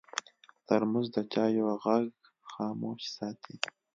ترموز د چایو غږ خاموش ساتي.